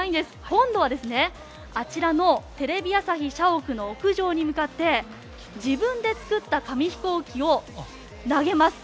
今度はあちらのテレビ朝日社屋屋上に向かって自分で作った紙ヒコーキを投げます。